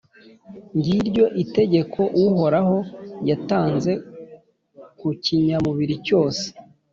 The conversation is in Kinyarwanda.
Ngiryo itegeko Uhoraho yatanze ku kinyamubiri cyose;